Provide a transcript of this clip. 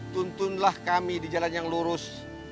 tuntunlah kami di jalan yang lurus